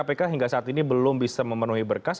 kpk hingga saat ini belum bisa memenuhi berkas